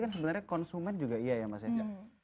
sebenarnya konsumen juga iya ya mas eja